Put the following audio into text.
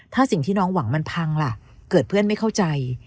ถ้าสิ่งที่น้องหวังมันพังล่ะเกิดเพื่อนไม่เข้าใจ